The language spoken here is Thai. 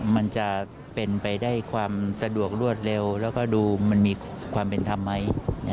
มันจะเป็นไปได้ความสะดวกรวดเร็วแล้วก็ดูมันมีความเป็นธรรมไหม